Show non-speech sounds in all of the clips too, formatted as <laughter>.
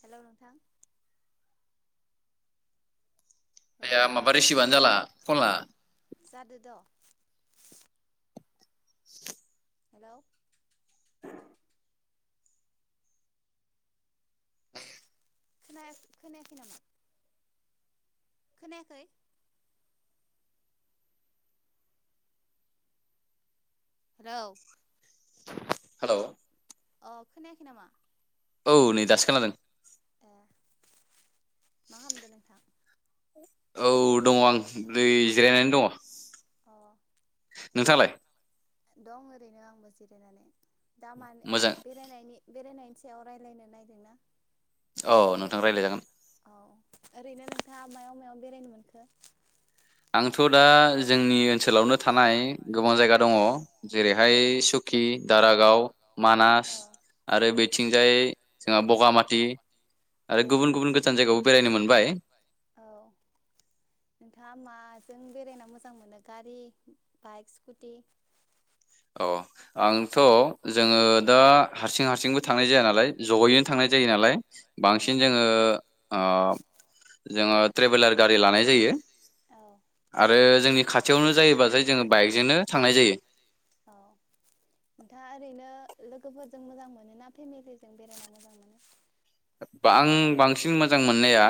Hello नोंथां आइया माबा रिसिभानो जाला कला जादो द <inaudible> हेलौ खोनायाख खोनायाखै नामा? खोनायाखै? औ हेलौ अ खोनायाखै नामा? औ नै दासो खोनादों। मा खालामदों नोंथां? औ दङ आं नै जिरायनानै दङ। औ नोंथालाय? दंं ओरैनो आंबो जिरायनानै। दा मानो बेरायनायनि बेरायनायनि सायाव रायज्लायनो नायदोंना? अ नोंथां राय्लायजागोन। ओरैनो नोंथाङा मायाव मायाव बेरायनो मोनखो? आंथ दा जोंनि ओनसोलावनो थानाय गोबां जायगा दङ। जेरैहाय सुकि, दारागाव, मानास आरो बे थिंजाय जोंहा बगामाथि आरो गुबुन गुबुन गोजान जायगायावबो बेरायनो मोन बाय। औ नोंथाङा माजों बेरायना मोजां मोनो गारि बाइक, स्कुटि? औ आंथ जोङो दा हारसिं हारसिंबो थांनाय जाया नालाय। जयैनो थांनाय जायो नालाय बांसिन जोङो ओ जोङो ट्रेभेलार गारि लानाय जायो। आरो जोंनि खाथियावनो जायोबथाय जोङो बाइकजोंनो थांनाय जायो। औ नोंथाङा ओरैनो लोगोफोरजों मोजां मोनो ना फेमिलिजों बेरायनो मोजां मोनो? आं बांसिन मोजां मोन मोननाया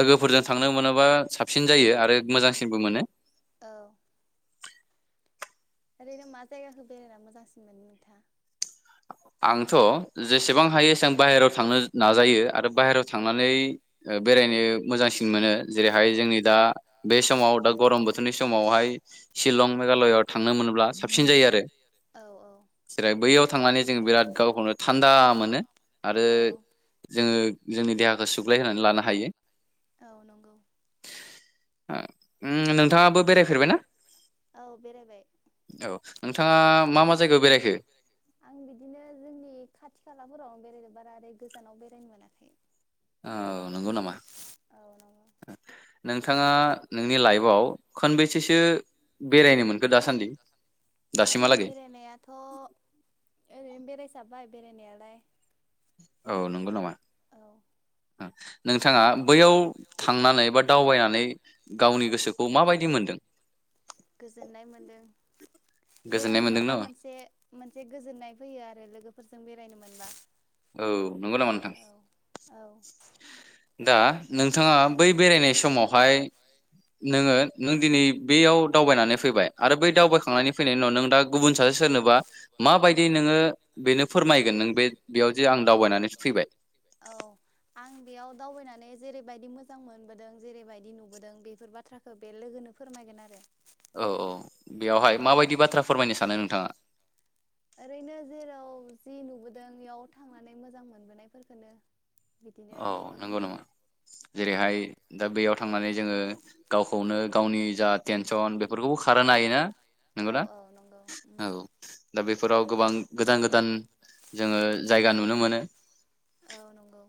लोगोफोरजों थांनो मोनोबा साबसिन जायो आरो मोजांसिनबो मोनो। औ ओरैनो मा जायगाखौ बेरायना मोजांसिनमोन नोंथाङा? आंथ जेसेबां हायो एसेबां बाहेरायाव थांनो नाजायो आरो। बाहेरायाव थांनानै बेरायनो मोजांसिन मोनो। जेरैहाय जोंनि दा बे समाव दा गरम बोथोरनि समावहाय शिलं मेघालयाव थांनो मोनोब्ला साबसिन जायो आरो जेर बैयाव थांनानै जों बिराद गावखौनो थान्दा मोनो। आरो जोङो जोंनि देहाखौ सुग्लाय होनानै लानो हायो। औ नंगौ नोंथाङाबो बेरायफेरबायना औ नोंथाङा मा मा जायगायाव बेरायखो? आं बिदिनो जोंनि खाथि खालाफोराव बेरायो बारा आरै गोजानाव बेरायनो मोनाखै। आव खनबोसेसो बेरायनो दासान्दि? आं बेरायनायाथ ओरैनो बेराय साब्बाय बेराय नायालाय। औ नंगौ नामा नोंथाङा बैयाव थांनानै बा दावबायनानै गावनि गोसोखौ माबायदि मोनदों? गोजोननाय मोनदों बेरायनो मोनबा मोनसे मोनसे गोजोननाय फैयो आरो लोगोफोरजों बेरायनो मोन मोनबा औ नंगौ नामा नोंथां? दा नोंथाङा बै बेरायनाय स मावहाय नोङो नों दिनै बेयाव दावबायनानै फैबाय आरो बै दावबायखांनानै फैनायनि उनाव नों दा गुबुन सासे सोरनोबा माबायदि नोङो बेनो फोरमायगोन नों बे बेयावजे आं दावबायनानै फैबाय? आं बेयाव दावबायनानै जेरैबायदि मोजां मोनबोदों जेरैबायदि नुबोदों बेफोर बाथ्राखौ बे लोगोनो फोरमायगोन आरो औ औ बेवहाय माबायदि बाथ्रा फोरमायनो सानो नोंथाङा? ओरैनो जेराव जि नुबोदों इयाव थांनानै मोजां मोनबोनायफोरखौनो औ नंगौ नामा जेरैहाय दा बेयाव थांनानै जोङो गावखौनो गावनि जा टेनसन बेफोरखौबो खारहोनो हायोना नंगौना औ दा बे फोराव गोबां गोदान गोदान जोङो जायगा नुनो मोनो। औ नंगौ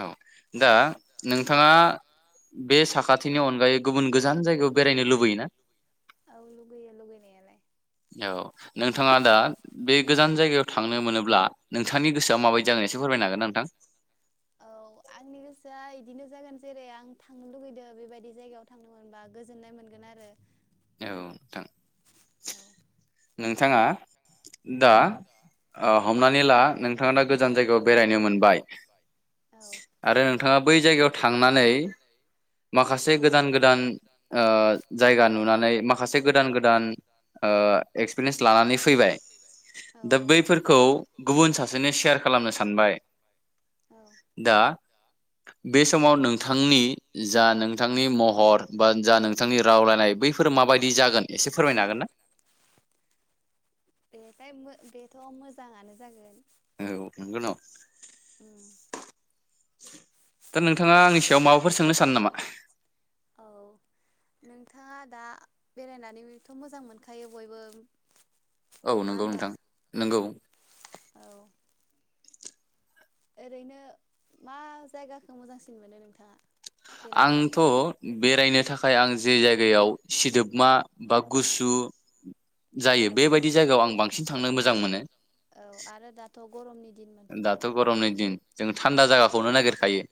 औ दा नोंथाङा बे साखाथिनि अनगायै गुबुन गोजान जायगायाव बेरायनो लुबैयोना? औ नोंथाङा दा बे गोजान जायगायाव थांनो मोनोब्ला नोंथांनि गोसोआ माबायदि जागोन एसे फोरमायनो हागोन ना नोंथां? औ आंनि गोसोआ इदिनो जागोन जेरै आं थांनो लुुबैदों बेबायदि जायगायाव थांनो मोनबा गोजोननाय मोनगोन आरो औ नोंथां नोंथाङा दा ओ हमनानै ला नोंथाङा दा गोजान जायगायाव बेरायनो मोनबाय आरो नोंथाङा बै जायगायाव थांनानै माखासे गोदान गोदान ओ जायगा नुनानै माखासे गोदान गोदान ओ एक्सपिरियेन्स लानानै फैबाय दा बैफोरखौ गुबुन सासेनो सेयार खालामनो सानबाय दा बे समाव नोंथांनि जा नोंथांनि महर बा जा नोंथांनि रावलायनाय बैफोर माबायदि जागोन एसे फोरमायनो हागोन ना? बेहाय बेथ' मोजाङानो जागोन औ नंगौ न' उम दा नोंथाङा आंनि सायाव माबाफोर सोंनो सानो नामा? औ नोंथाङा दा बेरायनानैथ' मोजां मोनखायो बयबो औ नंगौ नोंथां नोंगौ ओरैनो मा जायगाखौ मोजांसिन मोनो नोंथाङा? आंथ' बेरायनो थाखाय थाखाय आं जे जायगायाव सिदोबमा बा गुसु जायो बेबायदि जायगायाव आं बांसिन थांनो मोजां मोनो गरमनि दाथ' गरमनि दिन जों थानदा जागाखौनो नागिरखायो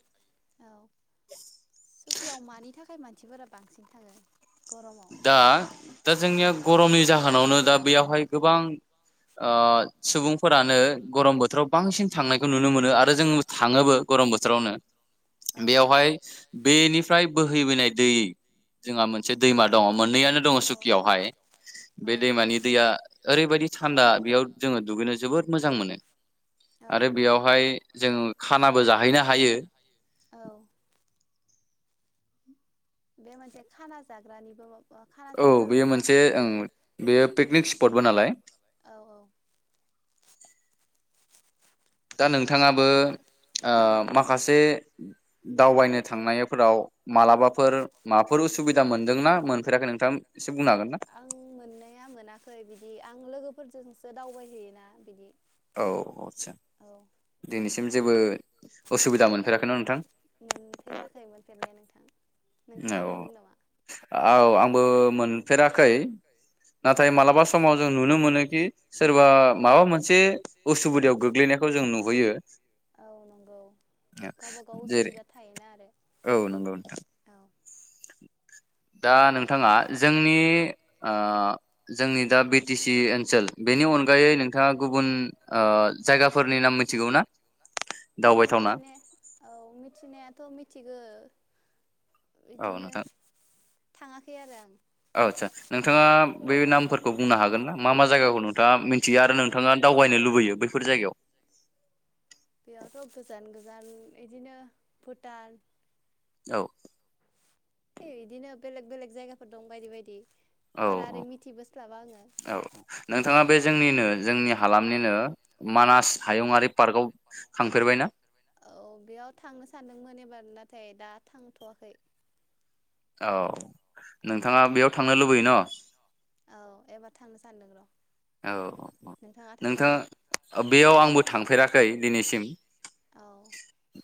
मानसिफोरा बांसिन थाङो दा दा जोंनिया गरमनि जाहोनावनो बेयावहाय गोबां ओ सुबुंफोरानो गरम बोथोराव बांसिन थांनायखौ नुनो मोनो आरो जों थाङोबो गरम बोथोरावनो बेयावहाय बेनि फ्राय बोहैबोनाय दैै जोंहा मोनसे दैमा दं मोननैआनो दङ सुकियावहाय बे दैमानि दैया ओरैबायदि थान्दा बेयाव जोङो दुगैनो जोबोद मोजां मोनो। आरो बेयावहाय जों खानाबो जाहैनो हायो। बे मोनसे खाना जाग्रानिबो औ बेयो मोनसे बेयो पिकनिक सिफ्टबो नालाय। दा नोंथाङाबो ओ माखासे दावबायनो थांनायफोराव मालाबाफोर माबाफोर उसुबिदा मोनदोंना मोनफेराखै नोंथां? आं मोननाया मोनाखै बिदि आं लोगोफोरजों सो दावबायहैयोना बिदि। औ आस्सा दिनैसिम जेबो उसुबिदा मोनफेराखै न नोंथां? औ औ आंबो मोनफेराखै नाथाय मालाबा समाव जों नुनो मोनोखि सोरबा माबा मोन से उसुबिदायाव गोग्लैनायखौ जों नुहैयो। जेरै औ नंगौ नोंथां औ दा नोंथाङा जोंनि ओ जोंनि दा बि टिसि ओनसोल बेनि अन गायै नोंथाङा गुबुन जायगाफोरनि नाम मिथिगौ ना? मिथिनाया औ मिथिनायाथ मिथिगो। बिदिनो थाङाखै आरो आं औ आस्सा नोंथाङा बे नामफोरखौ बुंनो हागोन ना मा मा जायगाखौ नोंथाङा मिथियो आरो नोंथाङा दावबायनो लुबैयो बैफोर जायगायाव? बेयावथ गोजान गोजान बिदिनो भुटान औ ए बिदिनो बेलेग बेलेग जायगाफोर दं बायदि बायदि। औ औ औ नोंथाङा बे जोंनिनो जोंनि हालाम निनो मानास हायुंङारि पार्कआव थांफेरबायना? औ बेयाव थांनो सानदोंमोन एबार नाथाय दा थांथवाखै। औ नोंथाङा बेयाव थांनो लुबैयो न? थांनो सानदों र। औ औ औ नोंथाङा बेयाव आंबो थांफेराखै दिनैसिम।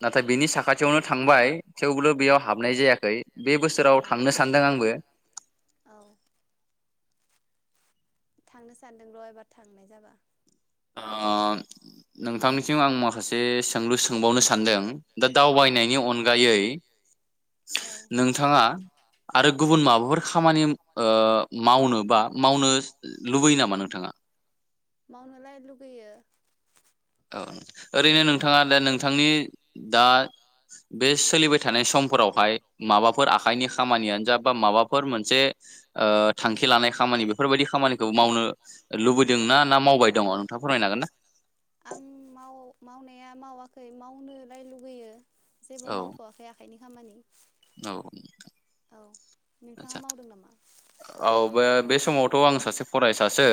नाथाय बिनि साखाथियावनो थांबाय थेवबो बेयाव हाबनाय जायाखै। बे बोसोराव थांनो सानदों आंबो। थांनो सानदों र एबार थांनाय जाबा। ओ नोंथांनिसिम आं माखासे सोंलु सोंबावनो सानदों दा दावनायनि अनगायै नोंथाङा आरो गुबुन माब फोर खा खामानि ओ मावनो बा मावनो लुबैयो नामा नोंथाङा? मावनोलाय लुगैयो। औ ओरैनो नोंथाङा दा नोंथांनि दा बे सोलिबाय थानाय समफोरावहाय माबाफोर आखाइनि खामानियानो जा बा माबाफोर मोनसे ओ थांखि लानाय खामानि बेफोरबायदि खामानि खौ मावनो लुबैदों ना ना मावबाय दङ नोंथाङा फोरमायनो हागोन ना? आं माव मावनाया मावाखै मावनो लाय लुगैयो जेबो मावथ'वाखै आखाइनि खामानि। औ आतसा औ बे बे समाव थ' आं सासे फरायसासो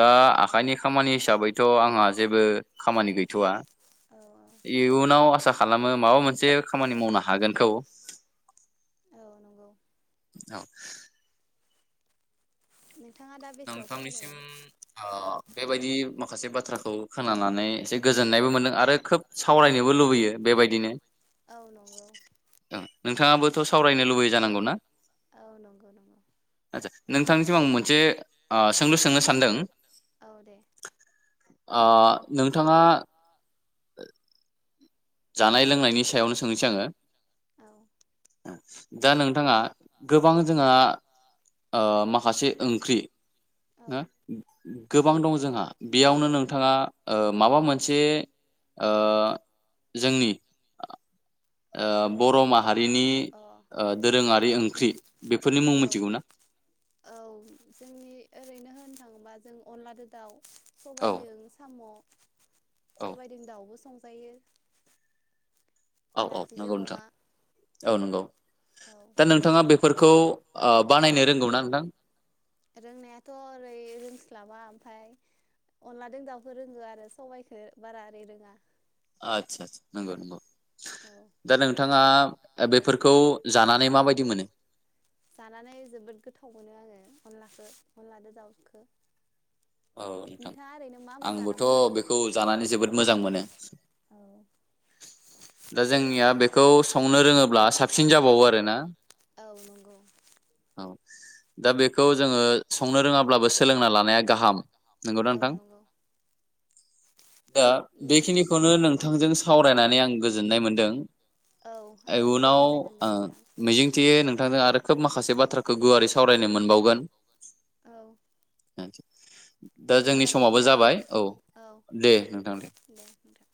दा आखाइनि खामानि हिसाबैथ' आंहा जेबो खामानि गैथ'वा औ इयुनाव आसा खालामो माबा मोनसे खामानि मावनो हागोनखौ। औ नंगौ। औ। नोंथांनिसिम आ बेबायदि मा माखासे बाथ्राखौ खोनानानै एसे गोजोननायबो मोनदों आरो खोब सावरायनोबो लुबैयो बेबायदिनो औ नंगौ। नोंथाङाबोथ' सावरायनो लुबैयो जानांगौ ना? औ नंगौ नंगौ। नोंथांनिसिम आं मोनसे आ सोंलु सोंनो सानदों औ दे आ नोंथाङा <inaudible> जानाय लोंनायनि सायावनो सोंसै आङो। औ दा नोंथाङा गोबां जोंहा ओ माखासे ओंख्रि ना गोबां दं जोंहा बेयावनो नों थाङा ओ माबा मोनसे ओ जोंनि ओ बर' माहारिनि ओ दोरोङारि ओंख्रि बेफोरनि मुं मोनथिगौ ना? बा जों अनलादो दाउ, सबायदों साम'। सबायदों दाउबो सं जायो। नारजिजों अमा औ नंगौ दा नोंथाङा बे फोरखौ ओ बानायनो रोंगौमोना नोंथां? रोंनायाथ ओरै रोंस्लाबा ओमफफ्राय अनलाजों दाउबो रोङो आरो सबाइखो बारा ओरै रोङा। आतसा आतसा नंगौ नंगौ। दा नोंथां आ बेफोरखौ जानानै माबायदि मोनो? जानानै जोबोद गोथाव मोनो आङो अनलाखो अनलादो दाउखो। औ नोंथां आंबोथ बेखौ जानानै जोबोद मोजां मोनो दा जोंनिया बेखौ संनो रोङोब्ला साबसिन जाबावो आरो ना? औ नंगौ। औ दा बेखौ जोङो संनो रोङाब्लाबो सोलोंना लानाया गाहाम। नंगौदा नोंथां? दा बेखिनिखौनो नों नोंथांजों सावरायनानै आं गोजोननाय मोनदों। इयुनाव ओ मिजिंथियो नों थां आरो खोब माखासे बाथ्राखौ गुवारै सावरायनो मोनबावगोन। औ <inaudible> दे होमबा बेखिनियावनो दोनथनोसै औ दे नोंथां।